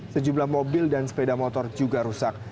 sejumlah mobil dan sepeda motor juga rusak